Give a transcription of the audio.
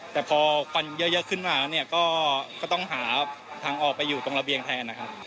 แต่พอควันเยอะขึ้นมาเนี่ยก็ต้องหาทางออกไปอยู่ตรงระเบียงแทนนะครับ